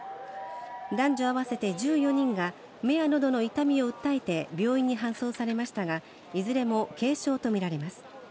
男女合わせて１４人が目や喉の痛みを訴えて病院に搬送されましたが、いずれも軽症とみられます。